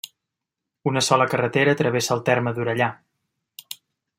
Una sola carretera travessa el terme d'Orellà.